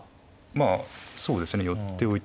まあそうですね寄っておいて。